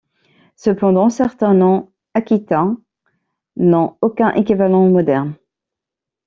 Cependant, certains noms aquitains n'ont aucun équivalent moderne.